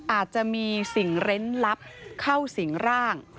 อาจจะมีสิ่งเล่นลับเข้าสิงร่าง